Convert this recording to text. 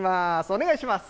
お願いします。